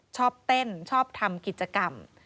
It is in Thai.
ชอบเต้นชอบทำกิจกรรม